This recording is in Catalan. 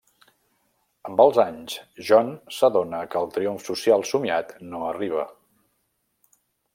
Amb els anys, John s'adona que el triomf social somiat no arriba.